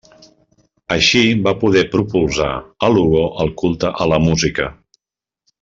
Així va poder propulsar a Lugo el culte a la música.